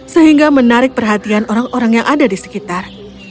sehingga menarik perhatian orang orang yang ada di sekitar